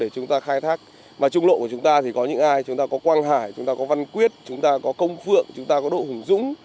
chúng ta có công phượng chúng ta có độ hùng dũng